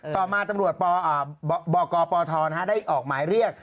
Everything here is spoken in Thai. ต่อมาตำรวจบกปทได้ออกหมายเรียก